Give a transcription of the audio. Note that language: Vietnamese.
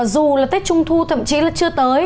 dù là tết trung thu thậm chí là chưa tới